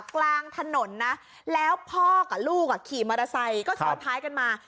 กลางถนนนะแล้วพ่อกับลูกอ่ะขี่มอเตอร์ไซค์ก็ซ้อนท้ายกันมา